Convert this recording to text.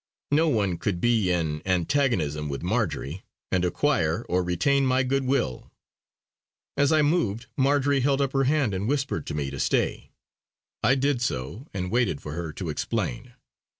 No one could be in antagonism with Marjory, and acquire or retain my good will. As I moved, Marjory held up her hand and whispered to me to stay. I did so, and waited for her to explain.